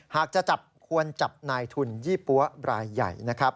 หากจะจับควรจับนายทุนยี่ปั๊วรายใหญ่นะครับ